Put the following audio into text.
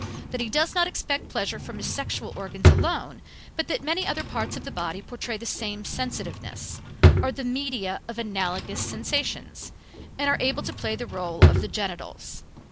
that he does not expect pleasure from his sexual organs alone, but that many other parts of the body portray the same sensitiveness, are the media of analogous sensations, and are able to play the role of the genitals.